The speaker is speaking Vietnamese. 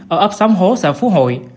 ở ấp sóng hố sở phú hội